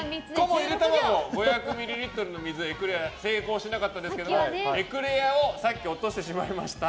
５００ミリリットルの水エクレアも成功しなかったんですけどエクレアをさっき落としてしまいました。